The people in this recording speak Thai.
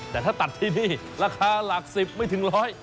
แต่ถ้าตัดที่นี่ราคาหลัก๑๐ไม่ถึงร้อย